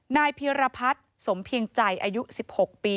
นายเพียรพัฒน์สมเพียงใจอายุ๑๖ปี